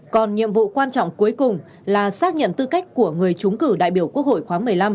còn nhiệm vụ quan trọng cuối cùng là xác nhận tư cách của người trúng cử đại biểu quốc hội khóa một mươi năm